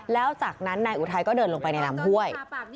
แล้วจากนั้นนายอุทัยก็เดินลงไปในลำห้วย